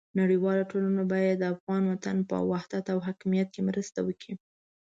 نړیواله ټولنه باید د افغان وطن په وحدت او حاکمیت کې مرسته وکړي.